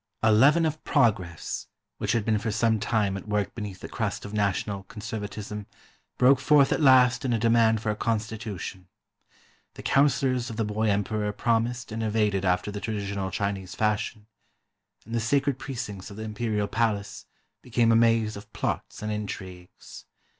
A leaven of progress, which had been for some time at work beneath the crust of national conservcttism, broke forth at last in a demand for a constitution. The councilors of the boy emperor promised and evaded after the tradi tional Chinese fashion, and the sacred precincts of the Imperial Palace became a maze of plots and intrigues.